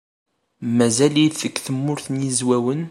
Mazal-it deg Tmurt n Yizwawen.